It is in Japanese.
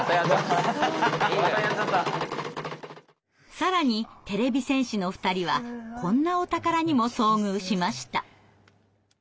更にてれび戦士の２人はこんなお宝にも遭遇しました。